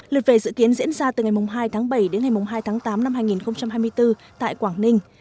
lượt về dự kiến diễn ra từ ngày hai tháng bảy đến ngày hai tháng tám năm hai nghìn hai mươi bốn tại quảng ninh